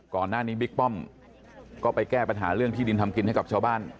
ก่อนหน้านี้บิ๊กป้อมก็ไปแก้ปัญหาเรื่องที่ดินทำกินให้กับชาวบ้าน